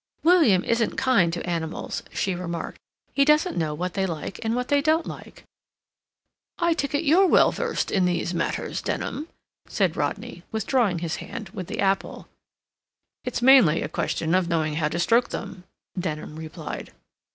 "William isn't kind to animals," she remarked. "He doesn't know what they like and what they don't like." "I take it you're well versed in these matters, Denham," said Rodney, withdrawing his hand with the apple. "It's mainly a question of knowing how to stroke them," Denham replied.